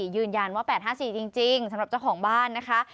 ยืนยันว่า๘๕๔จริงสำหรับเจ้าของบ้านนะคะ